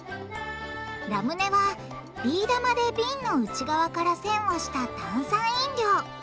ラムネはビー玉で瓶の内側からせんをした炭酸飲料。